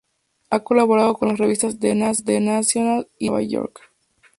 Ha colaborado con las revistas "The Nation" y "The New Yorker".